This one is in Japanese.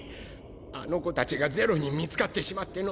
あの子達が是露に見つかってしまっての。